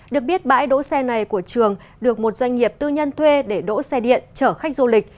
được biết bãi đội xe này của trường được một doanh nghiệp tư nhân thuê để đội xe điện trở khách du lịch